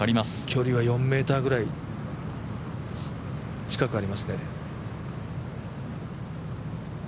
距離は４ｍぐらい近くありますね。